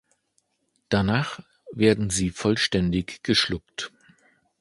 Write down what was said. Danach werden sie vollständig geschluckt.